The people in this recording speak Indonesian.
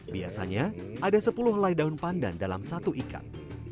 biasanya ada sepuluh helai daun pandan dalam satu ikat